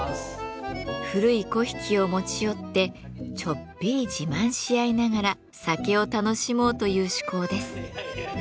古い粉引を持ち寄ってちょっぴり自慢し合いながら酒を楽しもうという趣向です。